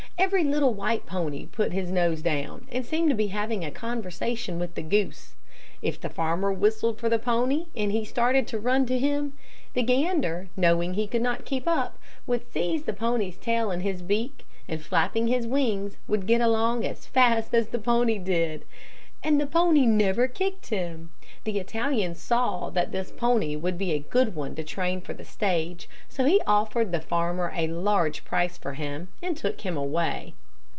Every little while the pony put his nose down, and seemed to be having a conversation with the goose. If the farmer whistled for the pony and he started to run to him, the gander, knowing he could not keep up, would seize the pony's tail in his beak, and flapping his wings, would get along as fast as the pony did. And the pony never kicked him. The Italian saw that this pony would be a good one to train for the stage, so he offered the farmer a large price for him, and took him away.